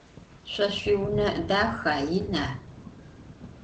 Şso şsuiune daxa, yina?